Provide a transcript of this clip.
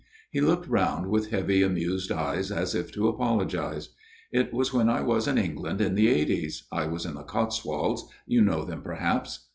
He looked round with heavy, amused eyes as if to apologize. " It was when I was in England in the eighties. I was in the Cots wolds. You know them perhaps